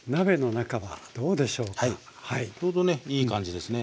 ちょうどねいい感じですね。